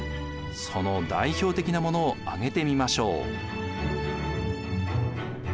その代表的なものを挙げてみましょう。